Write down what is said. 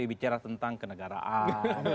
bicara tentang kenegaraan